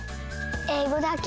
えいごだけ？